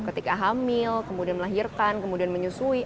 ketika hamil kemudian melahirkan kemudian menyusui